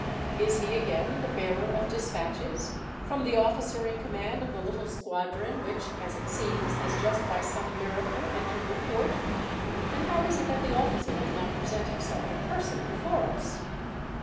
"Is he again the bearer of despatches, from the officer in command of the little squadron which, as it seems, has just, by some miracle, entered the port? And how is it that the officer did not present himself in person before us?"